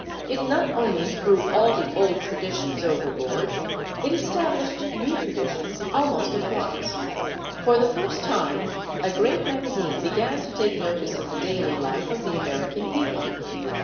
It not only threw all the old traditions overboard; it established new traditions almost at once. For the first time a great magazine began to take notice of the daily life of the American people.